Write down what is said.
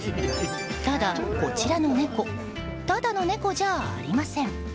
ただ、こちらの猫ただの猫じゃありません。